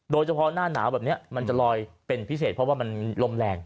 โดยเฉพาะหน้าหนาวแบบนี้มันจะลอยเป็นพิเศษเพราะว่ามันลมแรง